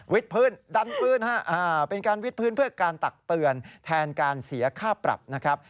พื้นดันพื้นเป็นการวิทพื้นเพื่อการตักเตือนแทนการเสียค่าปรับนะครับ